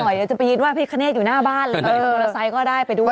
ก็จะบายินว่าพี่ขเนศก์อยู่หน้าบ้านโมโลไซส์ก็ได้ไปด้วย